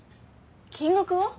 金額は？